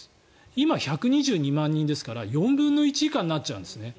今、１２２万人ですから４分の１以下になっちゃうんです。